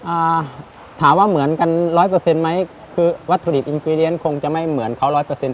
อ่าถามว่าเหมือนกันร้อยเปอร์เซ็นต์ไหมคือวัตถุดิบอินฟรีเรียนคงจะไม่เหมือนเขาร้อยเปอร์เซ็น